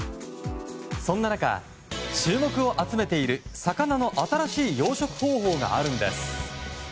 そんな中、注目を集めている魚の新しい養殖方法があるんです。